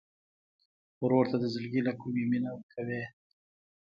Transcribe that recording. ورور ته د زړګي له کومي مینه ورکوې.